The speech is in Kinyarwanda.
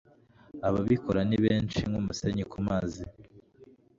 ababikora nibenshi nkumusenyi kumazi